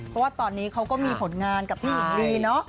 เพราะว่าตอนนี้เขาก็มีผลงานกับพี่หญิงลีเนาะ